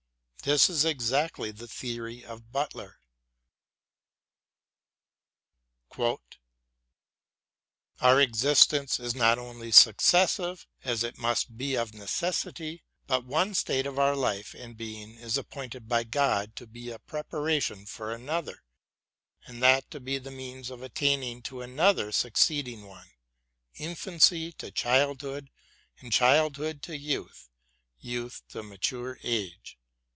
This is exactly the theory of Butler : Our existence is not only successive, as it must be of necessity, but one state of our life and being is appointed by God to be a preparation for another, and that to be the means of attaining to another succeeding one, infancy to childhood and childhood to youth ; youth to mature age.